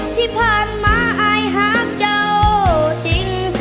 ที่ผ่านมาอายหักเจ้าจริง